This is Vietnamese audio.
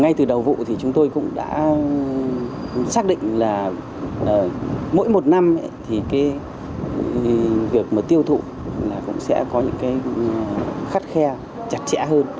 ngay từ đầu vụ thì chúng tôi cũng đã xác định là mỗi một năm thì cái việc mà tiêu thụ là cũng sẽ có những cái khắt khe chặt chẽ hơn